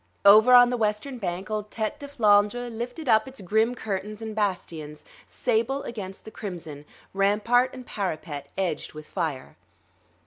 Over on the western bank old Tête de Flandre lifted up its grim curtains and bastions, sable against the crimson, rampart and parapet edged with fire.